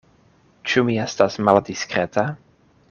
Ĉu mi estas maldiskreta?